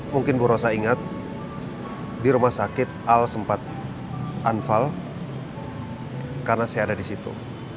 mungkin bu rosa ingat di rumah sakit al sempat anfal karena saya ada di situ